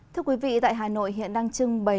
thưa quý vị tại hà nội hiện đang trưng bày